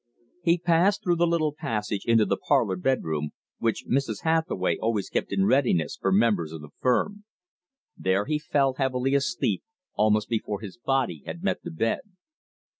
He passed through the little passage into the "parlor bed room," which Mrs. Hathaway always kept in readiness for members of the firm. There he fell heavily asleep almost before his body had met the bed.